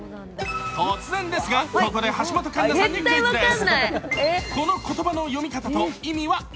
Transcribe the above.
突然ですが、ここで橋本環奈さんにクイズです。